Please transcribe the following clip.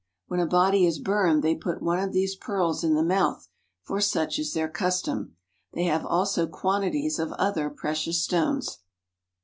When a body is burned, they put one of these pearls in the mouth, for such is their custom.] They have also quantities of other precious stones.